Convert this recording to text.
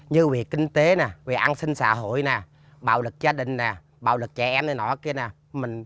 như về kinh tế về an sinh xã hội bạo lực gia đình bạo lực trẻ em